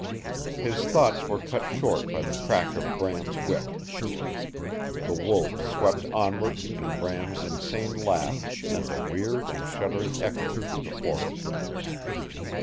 His thoughts were cut short by the crack of Bram's whip. The wolves swept onward and Bram's insane laugh sent a weird and shuddering echo through the forest.